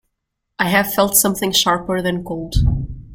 I have felt something sharper than cold.